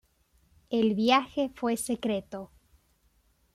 El viaje fue secreto.